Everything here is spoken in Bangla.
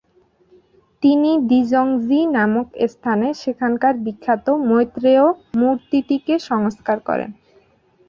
তিনি 'দ্জিং-জি নামক স্থানে সেখানকার বিখ্যাত মৈত্রেয় মূর্তিটিকে সংস্কার করেন।